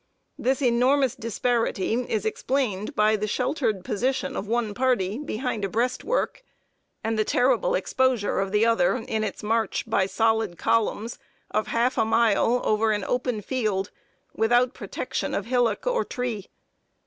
This enormous disparity is explained by the sheltered position of one party behind a breastwork, and the terrible exposure of the other in its march, by solid columns, of half a mile over an open field, without protection of hillock or tree.